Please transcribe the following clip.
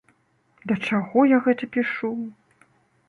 Да чаго я гэта пішу?